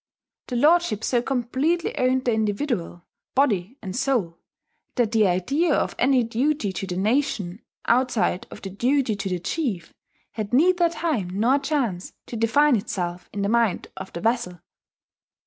The lordship so completely owned the individual, body and soul, that the idea of any duty to the nation, outside of the duty to the chief, had neither time nor chance to define itself in the mind of the vassal.